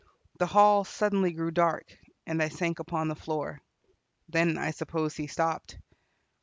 The hall suddenly grew dark, and I sank upon the floor. Then I suppose he stopped.